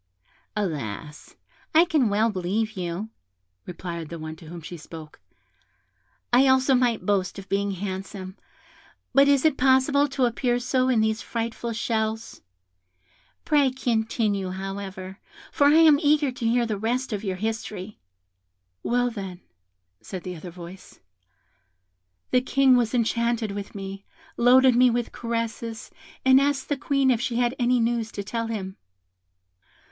"Alas! I can well believe you," replied the one to whom she spoke; "I also might boast of being handsome, but is it possible to appear so in these frightful shells? Pray continue, however, for I am eager to hear the rest of your history." "Well, then," said the other voice, "the King was enchanted with me, loaded me with caresses, and asked the Queen if she had any news to tell him.